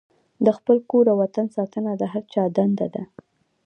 د خپل کور او وطن ساتنه د هر چا دنده ده.